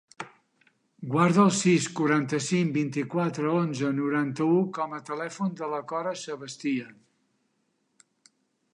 Guarda el sis, quaranta-cinc, vint-i-quatre, onze, noranta-u com a telèfon de la Cora Sebastia.